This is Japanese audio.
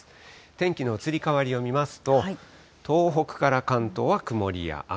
天気の移り変わりを見ますと、東北から関東は曇りや雨。